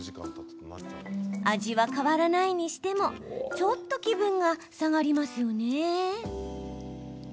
味は変わらないにしてもちょっと気分が下がりますよね。